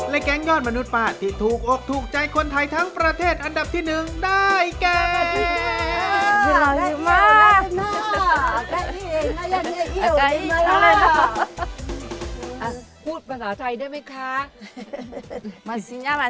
และแก๊งยอดมนุษย์ป้าที่ถูกอกถูกใจคนไทยทั้งประเทศอันดับที่๑ได้แก